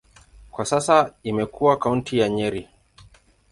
Kwa sasa imekuwa kaunti ya Nyeri.